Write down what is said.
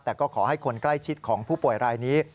แต่ก็ขอให้คนใกล้ชิดของผู้ป่วยรายนี้